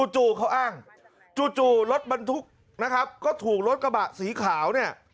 จู่เขาอ้างจู่รถบรรทุกนะครับก็ถูกรถกระบะสีขาวเนี่ย